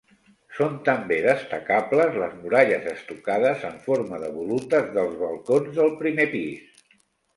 Són també destacables les muralles estucades en forma de volutes dels balcons del primer pis.